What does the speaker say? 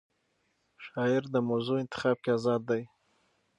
شاعر د موضوع انتخاب کې آزاد دی.